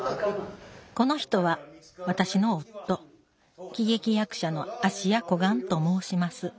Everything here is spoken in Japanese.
この人は私の夫喜劇役者の芦屋小雁と申します。